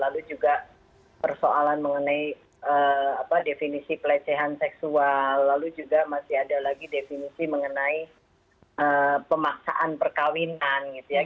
lalu juga persoalan mengenai definisi pelecehan seksual lalu juga masih ada lagi definisi mengenai pemaksaan perkawinan gitu ya